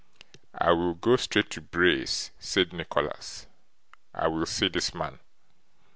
'I will go straight to Bray's,' said Nicholas. 'I will see this man.